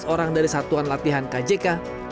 sembilan belas orang dari satuan latihan kck